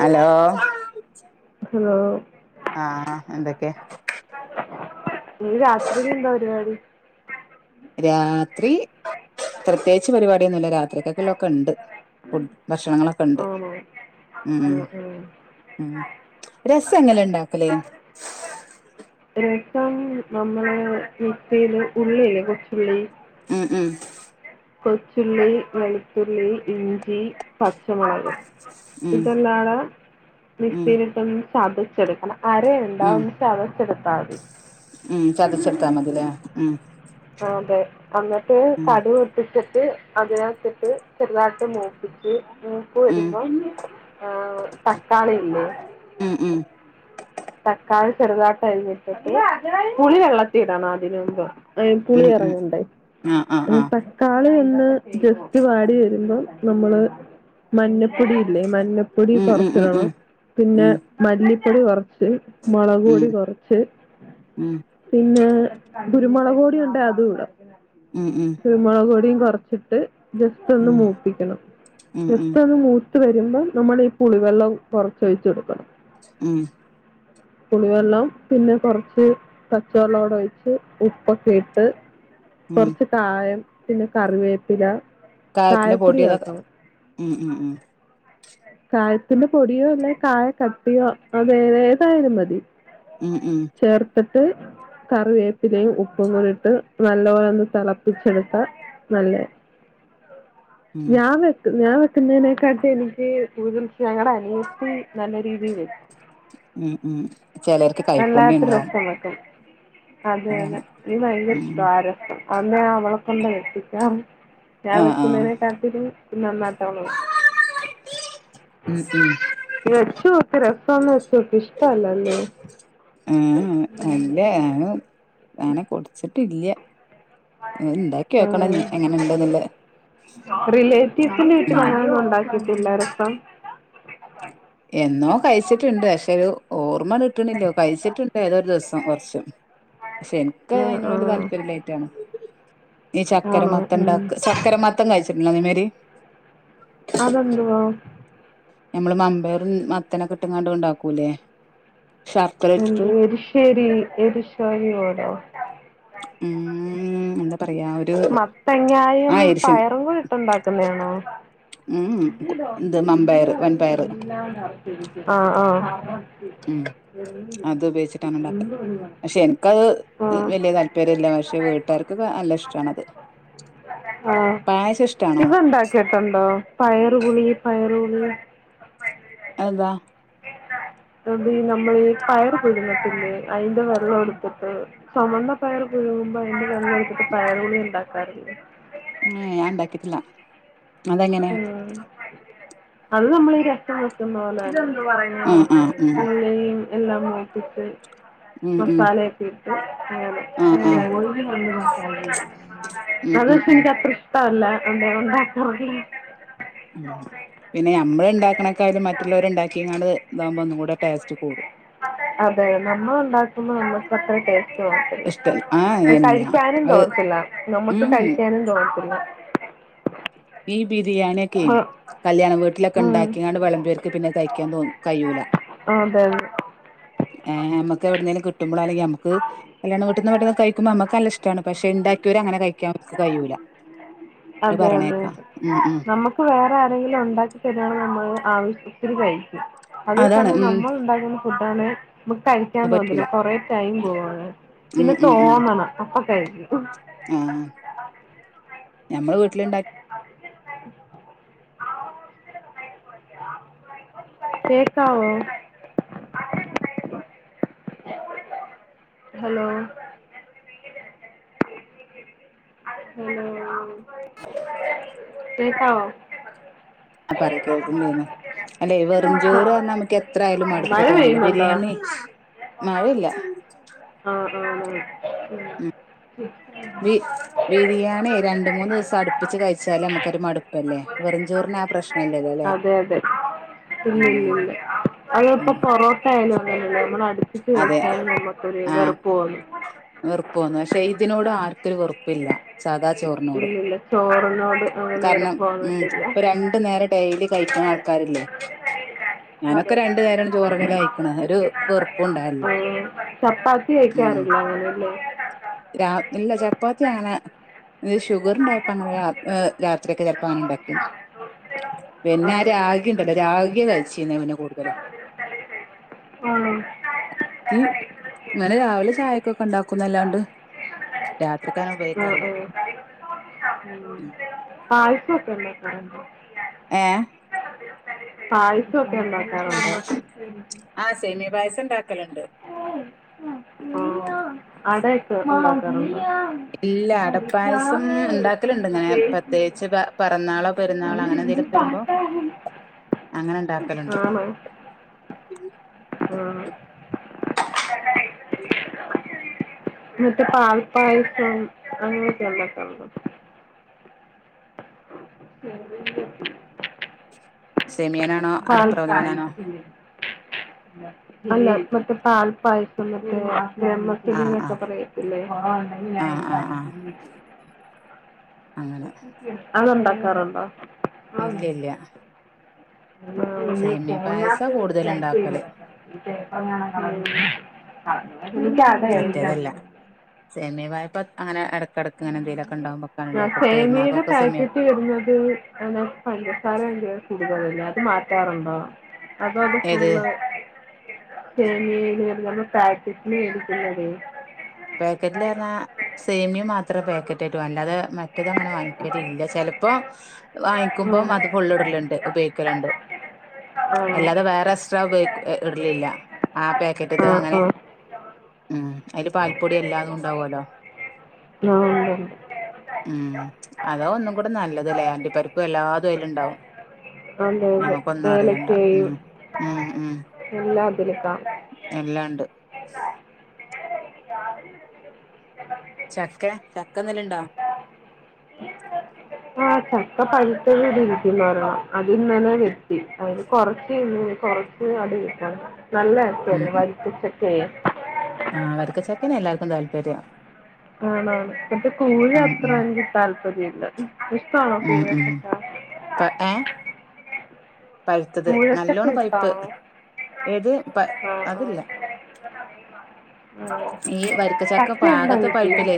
Hello? Hello? ആഹാ എന്തക്കെ? ഇന്ന് രാത്രിയിലെന്താ പരിപാടി? രാത്രി പ്രത്യേയിച്ച് പരിപാടിയൊന്നുല്ല രാത്രി കക്ക്ള്ളോക്കെണ്ട്. ഫുഡ് ഭഷണങ്ങളൊക്കെണ്ട്. ആണോ മ് ആ ഹ് ആ ഉം രസ എങ്ങനെണ്ടാക്കല്? രസം നമ്മള് മിക്സില് ഉള്ളിയില്ലേ കൊച്ചുള്ളി ഹ് ഹും കൊച്ചുള്ളി, വെളുത്തുള്ളി, ഇഞ്ചി, പച്ചമൊളക്. ഉം ഇതെല്ലാടാ ഉം മിക്സിലൊട്ടൊന്ന് ചതച്ചെട്ക്കണം. അരയണ്ടാ ഒന്ന് ചതച്ചെടുത്താതി. മ്മ് ചതച്ചടുത്താ മതിലേ മ്മ്? ആഹ് അതെ അന്നട്ട് തടു ഇട്ടിട്ട് അതിനകത്ത്ട്ട് ചെറുതായിട്ട് മൂപ്പിച്ച് ഉം പ്പ് വരുബോം ഹേ തക്കാളി ഇല്ലേ. ഉം ഉം തക്കാളി ചെറുതാട്ട് അരിഞ്ഞിട്ട് പുളി വെള്ളത്തി ഇടണം അതിന് മുമ്പ് ഏൾതുള്ളി ഉം ഉം എറങ്ങണ്ടേ ആഹ് ആഹ് ആഹ് എനിപ്പേ ക്കാളി ഒന്ന് ജസ്റ്റ് വാടി വരുമ്പോം നമ്മള് മഞ്ഞപ്പൊടിയില്ലേ മഞ്ഞ പൊടി ഉം ഉം ഉം കൊർച്ച്ടണം ഉം പിന്നെ ഉം മല്ലിപ്പൊടി കൊറച്ച് മൊളക് ഉം പൊടി കൊറച്ച് ഉം പിന്നെ ഗുരുമൊളക് പൊടിയുണ്ടെ അതുടാ. ഉം ഉം കുരുമൊളക് പൊടിം കൊറച്ചിട്ട് ജസ്റ്റ് ഒന്ന് മൂപ്പിക്കണം ഉം ഉം ജസ്റ്റ് ഒന്ന് മൂ ത്ത് വരുമ്പം നമ്മൾ ഈ പുളിവെള്ളം കൊറച്ചൊയിച്ച് കൊടുക്കണം. ഉം പുളിവെള്ളം പിന്നെ കൊറച്ച് പച്ച വെള്ളൂടെ ഒഴിച്ച് ഉപ്പ് ക്കെ ഇട്ട് ഉം കൊറച്ച് കായം പിന്നെ കറിവേപ്പില കായത്തിന്റെ കായപ്പൊടി പൊടി അതൊക്കെ ചേർക്കണം ഉം ഉം ഉം കായത്തിന്റെ പൊടിയോ അല്ലെ കായ കട്ടയോ അത് ഏതായാലും മതി. ഉം ഉം ചേർത്തിട്ട്... കറിവേപ്പിലേയും ഉപ്പും കൂടി ഇട്ട് നല്ല പോലെ ഒന്ന് തിളപ്പിച്ചെടുത്താ... നല്ലയ, ഉം ഞാൻ വെക്കു ഞാൻ വെക്കുന്നതിനേക്കാട്ടി എനിക്ക്... കൂടുതൽ ഞങ്ങളുടെ അനിയത്തി നല്ല രീതിയിൽ വെക്കും. ഉം ഉം, ചിലർക്ക് കൈപ്പുണ്യേം വല്ലാത്ത ഉണ്ടാവും. രസം അതെ അതെ, അതാണ് എനിക്ക് ഭയങ്കര ഇഷ്ട ഉം ആരം. അന്ന് അവളെ കൊണ്ട വെപ്പിക്കാം ഞാൻ ആഹ് വെക്കുന്നതിനെ കാട്ടിലും. നന്നായിട്ട് അവൾ വെക്കും ഉം ഉം വച്ചോക്ക്, രസന്ന് വച്ചോക്ക്. ഇഷ്ട അല്ല ലേ? ഏ ഉം. ഞാൻ കുടിച്ചിട്ടില്യ. ഉം ഇണ്ടാക്കി നോക്കണം ഉം എങ്ങനെ എങ്ങനെ ഉണ്ട്ന്നുള്ളത്. റിലേറ്റീവ്സിന്റെ വീട്ടിൽ അങ്ങനെയൊന്നും ഉണ്ടാക്കിയിട്ടില്ല രസം? എന്നോ കഴിച്ചിട്ടുണ്ട്, പക്ഷെ, ഒരു ഓർമ്മ കിട്ടണില്ല. കഴിച്ചിട്ടുണ്ട്, ഏതൊരു ദിവസം കുറച്ചും. പക്ഷെ, എനിക്ക് ആ ആ അതിനോട് ഒരു താല്പര്യംല്ലായിട്ടാണ്. ഈ ചക്കര ആണോ മത്തൺ ഉം ണ്ടാക. ചക്കര മത്തൻ കഴിച്ചിട്ട്ണ്ടാ അതെ മാരി അതന്തുവാ? നമ്മള് വൺപയറും മത്തനൊക്കെ ഇട്ട്ങ്ങാണ്ട് ഉണ്ടാക്കൂല്ലേ? എന്ത് എരിശ്ശേരി, എരിശരിരോടോ? ഉം... എന്താ പറയാ? ഒരു മത്തങ്ങായും ആ എരിശിൻ പയറും കൂടി ഇട്ടുണ്ടാക്കുന്നതണോ? ഊഹു, ഇന്ത് വൻപയർ വൻപയർ. ആഹ ആഹ. ഉം, അത് ഉപയോഗിച്ചിട്ടാണ് ഉണ്ടാക്ക. ഒന്നും ഒരു കുഴപ്പമില്ല പക്ഷെ എനിക്കത് ആ വലിയ താല്പര്യ പേരില്ല. പക്ഷെ, വീട്ടേർക്ക് നല്ല ഇഷ്ടാണത്. പായസം ഇഷ്ടാണോ? കേട്ടിട്ടുണ്ടോ? പയറു പുളി പയറു പുളി അതെന്താ? അത് നമ്മള് പയർ പുഴുങ്ങത്തില്ലേ? അതിന്റെ വെള്ളം എടുത്തിട്ട്... ചൊമെന്ന പയർ പുഴുങ്ങുമ്പോ അതിന്റെ വെള്ളം എടുത്തിട്ട് പയർപുളി ഉണ്ടാക്കാറിണ്ട്. ഏ, ഞാൻ ണ്ടാക്കിട്ടില്ല. ഉം, അന്ന് നമ്മൾ ഈ രസം വെക്കുന്ന പോലെണ്. ആ ആ ഉം എണ്ണയും എല്ലാം മൂപ്പിച്ചു ഉം ഉം മസാല ഒക്കെ ഇട്ട് അങ്ങനെ ആ ആ [unintelligible] ഉം ഉം അതൊക്കെ ഉം എനിക്ക് അത്ര ഇഷ്ടല്ല. അതാണ് ഉണ്ടാക്കാത്തത് ഉം പിന്നെ നമ്മള് ഉണ്ടാക്ക്ണെക്ണേകാട്ടിലും മറ്റുള്ളവര് ഇണ്ടാക്കിങ്ങാട് ഇതാവുമ്പോ ഒന്നും കൂടെ ടേസ്റ്റ് കൂടും. അതെ, നമ്മൾ ഉണ്ടാക്കുന്നത് നമ്മുക്ക് അത്ര ടേസ്റ്റ് തോന്നത്തില്ല, ഇഷ്ട ആ ഇല്ല കഴിക്കാനും അത് തോന്നത്തില്ല. നമ്മുക്ക് ഉം കഴിക്കാനും തോന്നത്തില്ല. ഈ ബിരിയാണിഒക്കെ... ആ കല്യാണം വീട്ടിലൊക്കെ ഉം ഉണ്ടാക്കിങ്ങാണ്ട് വെളംബിയോർക് പിന്നെ കഴിക്കാൻ തോന്നു കയ്യൂല. അതെ അതെ. ഏ, നമുക്ക് എവിടുന്നേങ്കിലും കിട്ടുമ്പോളാണ് ല്ലെങ്കിൽ നമുക്ക്... കല്യാണ വീട്ട്ന്ന് കഴിക്കുമ്പോ നമുക്ക് നല്ലഷ്ടാണ്. പക്ഷേ, ണ്ടാക്കിയോര് അങ്ങനെ കഴിക്കാൻ ഓര്ക് കഴൂല. അതെ അതെ, ഉം നമുക്ക്... വേറെ ആരെങ്കിലും ഉണ്ടാക്കിത്തരുവാണേൽ ആവശ്യത്തിന് കഴിക്കും അതേ അതാണ് സമയം ഉം ന്നമ്മൾ ഉണ്ടാക്കുന്ന ഫുഡാണെ ന്നമുക്ക് കഴ്ക്കാൻ അത് തോന്നില്ല പറ്റൂല കൊറെടൈം പോവാണ്. ഉം പിന്നെ ഉം ഉം തോന്നണം അപ്പകഴ്ക്കും. ആഹ് ഞമ്മള് വീട്ടില്ണ്ടാ കേക്കാവോ? ഹലോ ഹലോ കേക്കാവോ? അപ്പറ പറകേൾക്ക്ണില്ലേനു. അല്ലെയ് വെറുംചോറ് അമ്മക്ക് എത്രായാലും മടുപ്പ് മഴ തോന്നൂല പെയ്യുന്നുണ്ടോ ബിരിയേണി മഴയില്ല. ആ ആആ ഉം [unintelligible] ബിരിയാണി രണ്ട്, മൂന്ന് ദിവസം അടുപ്പിച്ച് കഴിച്ചാല് അമ്മക്കൊരു മടുപ്പല്ലേ വെറുംചോറിന് ആ പ്രശ്നംല്ലല്ലോലെ അതെതെ പിന്ന്ല്ലല്ല ഉം അത്അപ്പപോ ട്ടെഒന്നൊന്നല്ലല്ലോ ന്നമ്മൾ അടുപ്പിച്ച് അതെ കഴ്ച്ചാലും ന്നമുക്കൊരു ആഹ് വെറുപ്പോന്നും. വെറുപ്പ് തോന്നു പക്ഷെ ഇതിനോട് ആർക്കൊരു വെറുപ്പില്ല. സാദാ ചോർ ഇല്ലില്ല ചോറിനോട് അങ്ങനെ കാരണം വെറുപ്പ് മ് തോന്നത്തില്ല ഇപ്പൊരണ്ടു ന്നേരം ഡെയ്ലി കഴിക്ക്ണ ആൾക്കാരില്ലേ? ഞാനൊക്കെ അതെ രണ്ടു നേരാണ് ചോറന്നല കഴിക്കണ ഒരു വെറുപ്പും ആ ഉണ്ടായില്ല ചപ്പാത്തി ഉം കഴ്ക്കാറുണ്ടാവില്ലല്ലേ? രാ ഇല്ല ചപ്പാത്തി അങ്ങനെ ഇത് ഷുഗർണ്ടായപ്പങ്ങനെ രാ ആ രാത്രിയൊക്കെ ചെൽപ്പങ്ങനെ ഇണ്ടാക്കിന്നു ആ. പിന്നെ രാഗി ഗ്യല്ല രാഗിയാ കഴ്ചീനെ കൂട്തലും. [unintelligible] ഈ ഇങ്ങനെരാവിലെ ചായക്കൊക്കെ ഇണ്ടാക്കുന്നല്ലാണ്ട് രാത്രിക്കങ്ങനെ ഉപയോഗിക്കല്ല. [inaudible] ആ പായസൊക്കെ ഒണ്ടാക്കാറുണ്ട്? ആ സെമിയപായസം ഇണ്ടാക്കലുണ്ട്. ആ അടയിട്ട് ഉണ്ടാക്കാറുണ്ടോ? ഇല്ല അടപ്പായസം ഉണ്ടാക്കലുണ്ട് ഇങ്ങനെ പ്രത്യേകിച്ച് പ- പിറന്നാളോ പെരുന്നാളോ അങ്ങനെ എന്തെങ്കിലുമൊക്കെ വരുമ്പോ [unintelligible] [unintelligible] അങ്ങനെ ഇണ്ടാക്കല്ണ്ട്. ആണോ ആ [unintelligible] മറ്റേ പാൽപായസം അങ്ങനെയൊക്കെ ഇണ്ടാക്കാറുണ്ടോ? [unintelligible] സെമിയനാ പാൽ പായസം അല്ല മറ്റേ പാൽപായസം മറ്റേ ആഹ് ബെമ്മസെലിന്നൊക്കെ ആഹ് പറയും. ഇല്ലേ ആ ഇങ്ങനെ ആഹ് ആഹ് ഇണ്ടാക്കി. ആഹ് അങ്ങനെ അത് ഒണ്ടാക്കാറുണ്ടോ? ഇല്ല്യാ, ഇല്ല സേമിയ പായസാ കൂടുതൽ ഉണ്ടാക്കല് [unintelligible] [unintelligible] മറ്റേതല്ല സേമിയ പായസം അങ്ങനെ എട എടക്ക് ഇങ്ങനെന്തെലൊക്കെണ്ടാവുമ്പോ വെക്കാന് ഇണ്ടാവും ഇപ്പോപെര്ന്നാക്കൊക്കെ സെമിയം തിവെര്ന്നത് അഹ് പഞ്ചസാര ചെർ കുട്തലല്ലെ അത് മാറ്റാറുണ്ടോ? അത് അത് ഏത് ഫുള്ള് ശമീ [unintelligible] എ പാക്കറ്റിൽ എടുക്കുന്നത് പാക്കറ്റിലാന്നാ സേമിയ മാത്രം പാക്കറ്റ് ആയിട്ട് വാങ്ങും അല്ലാതെ മറ്റേത് അങ്ങനെ വാങ്ങിക്കലില്ല ചെലപ്പോം വാങ്ങിക്കുമ്പം ഉം അത് ഫുള്ള് ഇടലുണ്ട് ഉപയോഗിക്കലുണ്ട് അല്ലാതെ വേറെ എക്സ്ട്രാ ഉപയോഗിക്ക് ഇടലില്ല ആ പാക്കറ്റത്തെ ആ ആ അങ്ങനെ ആ ഉം അതിൻ്റെ പാൽ പൊടി എല്ലാതും ഉണ്ടാവുല്ലോ ആഹ് [unintelligible] ഉം അതാ ഒന്നും കൂടെ നല്ലതല്ലേ അണ്ടി പ്പരിപ്പും എല്ലാതലും അയിലിണ്ടാവും അതെ അതെ ഏലക്കയും ഉം ഉം ഉം എല്ലാതില്ക്കാ എല്ലാണ്ട് [unintelligible] ചക്ക ചക്ക എന്തെലുണ്ടോ ആ ചക്ക പഴുത്തത് ഇവിടെ ഇരിക്കുന്നു ഒരെണ്ണം അത് ഇന്നലെ വെട്ടി അത് കൊറച്ച് കൊറച്ച് അടി നല്ല ഉം ചക്കയാരുന്നു ഉം വരിക്കചക്കയെ ആ അവരക്ക് ചെക്കനെ എല്ലാർക്കും താല്പര്യമാ ആണ് ആണ് മറ്റേ കൂഴ ഉം അത്ര ഉം എനിക്ക് താല്പര്യല്ല ഇഷ്ടണോ കൂഴ? ത ഏഹ് പഴുത്തത് കൂഴച്ചക്ക നല്ലോണം പഴുത്ത് ഇഷ്ടാണോ? ഏത് ആഹ് അതില്ല ആഹ് ആഹ്. ഈ വരിക്കച്ചക്ക ചക്കയുണ്ടോ പാകത്തെ വീട്ടില്? പൈപ്പിലെ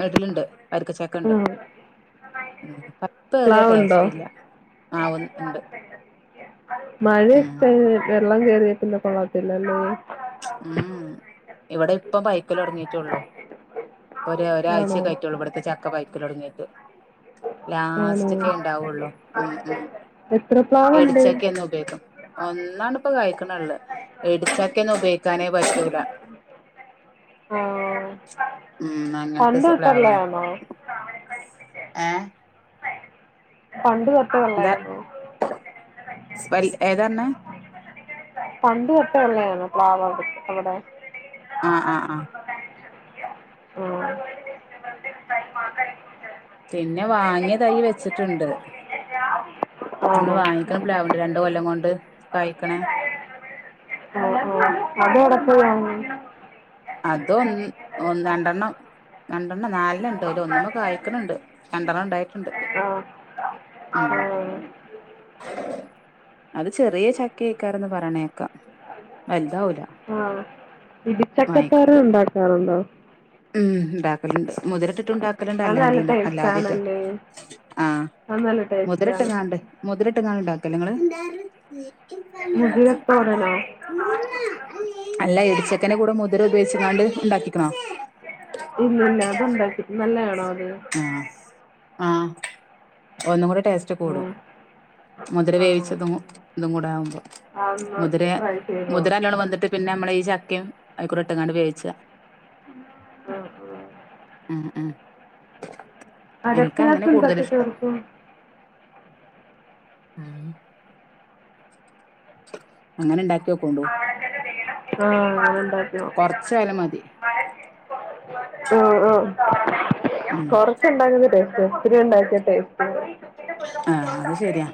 വടിലുണ്ട് വരിക്കച്ചക്ക ഉണ്ട് ഉം ഉം പപ്പേറിയ പ്ലാവുണ്ടോ? ടേസ്റ്റ് ഇല്ല ആ ഉണ്ട് ഉം മഴയൊക്കെ വെള്ളം കേറിയാപ്പിന്നെ കൊള്ളത്തില്ലല്ലേ ഉം ഇവിടെ ഇപ്പം പയ്ക്കല് തൊടങ്ങിയിട്ടേയുള്ളു ഇപ്പൊ ഒരു ആണോ? ഒരാഴ്ചക്കെ ആയിറ്റുള്ളൂ ഇവിടുത്തെ ചക്ക പഴുക്കല് തുടങ്ങിയിട്ട് ആണോ? ലാസ്റ്റ് ഒക്കെ ഉണ്ടാവുള്ളൂ ഉം ഉം എത്ര പ്ലാവുണ്ട്? ഇടിച്ചക്കെ ഒന്ന് ഉപയോഗിക്കും ഒന്നാണിപ്പം കഴിക്കണെയുള്ളു ഇടിച്ചക്കയൊന്നും ഉപയോഗിക്കാനേ പറ്റൂല്ല ആഹ് ഉം അങ്ങനത്തെ പണ്ട് തൊട്ടുള്ളയാണോ [unintelligible] എഹ് പണ്ട് തൊട്ടെയുള്ളയാണോ? ഏതാർണ്ണെ പണ്ട് തൊട്ടേയുള്ളയാണോ പ്ലാവ് അവിടെ ആഹ് ആഹ് ആഹ് ആഹ് [inaudible] പിന്നെ വാങ്ങിയ തൈ വെച്ചിട്ടുണ്ട് നമ്മള് ആണോ ആഹ് വാങ്ങിക്കണം പ്ലാവുണ്ട് രണ്ട് കൊല്ലം കൊണ്ട് കായ്ക്കണെ ഉം ഉം അതെവിടെ പോയി വാങ്ങി അത് ഒന്ന് രണ്ടെണ്ണം രണ്ടെണ്ണം നാലണ്ണം ഉണ്ട്. അതിൽ ഒന്നുമ്മേ കായിക്കണ് ഉണ്ട് രണ്ടെണ്ണം ഉണ്ടായി ആഹ് ആഹ് അത് ചെറിയ ചക്കയൊക്കെയാണെന്ന് പറയുന്ന കേക്കാം വലുതാവൂല്ല ആഹ് ഇടിച്ചക്കത്തോരൻ ഉണ്ടാക്കാറുണ്ടോ ഉം ഉണ്ടാക്കലുണ്ട് മുതിര ഇട്ടിട്ട് ഉണ്ടാക്കലണ്ട് അത് നല്ല അല്ലാണ്ടീണ്ട് ടേസ്റ്റ് അല്ലാതണ്ട് ആണല്ലേ ആഹ അത് നല്ല ടേസ്റ്റ് ആണ് മുതിരിട്ടിട്ടാണോ ഉണ്ടാക്കല് നിങ്ങള് മുതിരത്തോരനോ അല്ല ഇടിച്ചക്കനെ കൂടെ മുതിര ഉപയോഗിച്ചിക്കാണ്ട് ഉണ്ടാക്കിക്കണോ ഇല്ല ഇല്ല അത്ണ്ടാക്കി നല്ലയാണോ അത് ആ ആ ഒന്നും കൂടി ടേസ്റ്റ് കൂടും ഉം മുതിര ആണോ വേവിച്ചതും ഇതും കൂടെ ആകുമ്പോ ആ എന്നാ മുതിര ട്രൈ ചെയ്ത് മുതിര നോക്കാം നല്ലണ് വന്തിട്ട് പിന്നെ നമ്മള ഈ ചക്കയും അ കുടി ഇട്ടങ്ങാണ്ട് വേവിച്ച ആഹ ആഹ് ഉം ഉം എനിക്ക് അരപ്പിന്നത് അങ്ങനെ കൂടുതൽ എന്തൊക്കെ ഇഷ്ടം ചേർക്കും ഉം അങ്ങനെ ഇണ്ടാക്കി വോക്കണ്ടോ കൊറച്ച നേരം മതി ഓ ഓ കൊറച്ച് ഉം കുറച്ചു ഉണ്ടാക്കുന്ന ടേസ്റ്റ് ഒത്തിരി ഉണ്ടാക്കിയ ടേസ്റ്റ്ഇല്ല ആഹ അത് ശരിയാ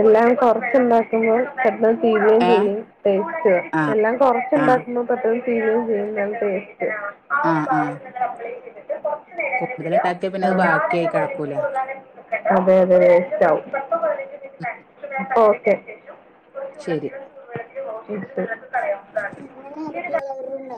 എല്ലാം കൊറച്ചണ്ടാ പെട്ടന്ന് തീരുകയും ഏഹ് ചെയ്യും ടേസ്റ്റ് ആഹ് എല്ലാം ആഹ് കൊറച്ചുണ്ടാക്കുന്ന പെട്ടെന്ന് തീരുകയും ചെയ്യും നല്ല ടേസ്റ്റ് അവര് പറയുന്നത് അപ്ലൈ ചെയ്തിട്ട് കൂടുതല ഉണ്ടാക്കിയ പിന്നെ അത് ബാക്കിയ ആയി കിടക്കൂല അതെ അതെ വേസ്റ്റ് ആകും ഉ ഓക്കെ ശരി ഇട്ടു അങ്ങനെ അടുത്തുള്ളവരുംണ്ട